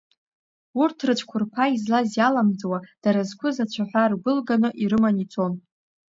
Урҭ, рыцәқәырԥара излаз иаламӡуа, дара зқәыз ацәаҳәа ргәылганы ирыманы ицон.